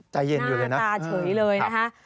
ใจเย็นอยู่เลยนะตาเฉยเลยนะคะ